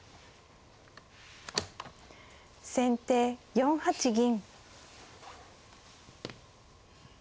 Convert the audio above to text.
先手４八銀。